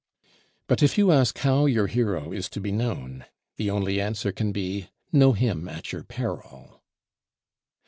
But if you ask how your hero is to be known, the only answer can be, Know him at your peril.